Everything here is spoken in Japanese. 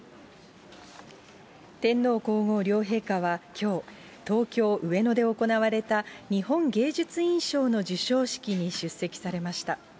天皇皇后両陛下はきょう、東京・上野で行われた日本芸術院賞の授賞式に出席されました。